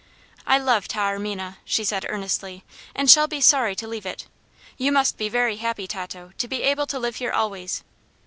"I love Taormina," she said, earnestly, "and shall be sorry to leave it. You must be very happy, Tato, to be able to live here always."